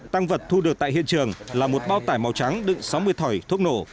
tăng vật thu được tại hiện trường là một bao tải màu trắng đựng sáu mươi thỏi thuốc nổ